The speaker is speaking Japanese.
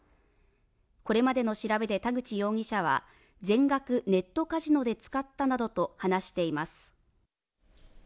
これまでの調べで田口容疑者は全額ネットカジノで使ったなどと話しています。